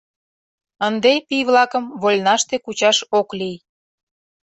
Ынде пий-влакым вольнаште кучаш ок лий.